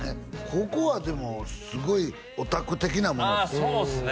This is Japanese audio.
ここはでもすごいオタク的なあそうっすね